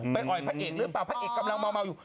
อ่อยพระเอกหรือเปล่าพระเอกกำลังเมาอยู่